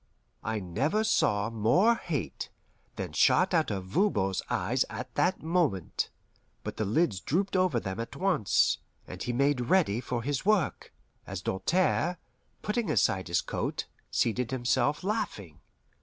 I never saw more hate than shot out of Voban's eyes at that moment; but the lids drooped over them at once, and he made ready for his work, as Doltaire, putting aside his coat, seated himself, laughing.